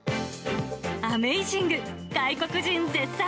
アメイジング、外国人絶賛！